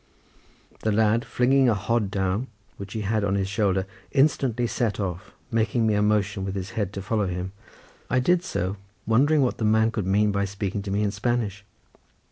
The lad flinging a hod down, which he had on his shoulder, instantly set off, making me a motion with his head to follow him. I did so, wondering what the man could mean by speaking to me in Spanish.